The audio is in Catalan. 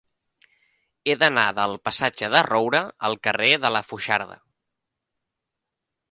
He d'anar del passatge de Roura al carrer de la Foixarda.